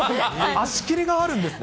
足切りがあるんですか。